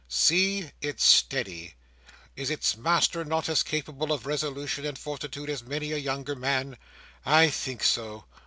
See! It's steady. Is its master not as capable of resolution and fortitude as many a younger man? I think so.